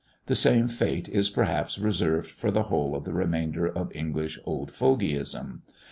The same fate is perhaps reserved for the whole of the remainder of English old fogyism.